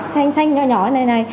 xanh xanh nhỏ nhỏ